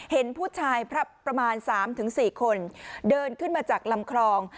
เห็นผู้ชายประมาณ๓๔คนเดินขึ้นมาจากลำคลอง